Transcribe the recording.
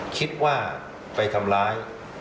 คิดว่าไปทำร้าย